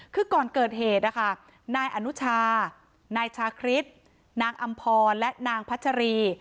คือก่อนเกิดเหตุนะคะนายอนุชานายชาคริสนางอำพรและนางพัชรี